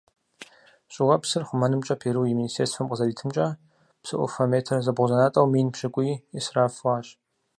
ЩӀыуэпсыр хъумэнымкӀэ Перу и министерствэм къызэритымкӀэ, псы Ӏуфэ метр зэбгъузэнатӀэу мин пщыкӏуий Ӏисраф хъуащ.